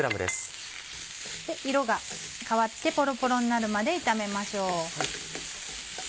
色が変わってポロポロになるまで炒めましょう。